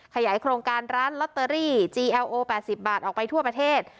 ขยายโครงการร้านลอตเตอรี่จีแอลโอ๘๐บาทออกไปทั่วประเทศ